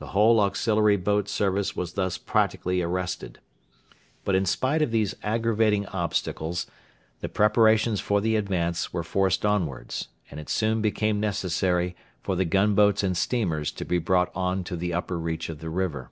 The whole auxiliary boat service was thus practically arrested. But in spite of these aggravating obstacles the preparations for the advance were forced onwards, and it soon became necessary for the gunboats and steamers to be brought on to the upper reach of the river.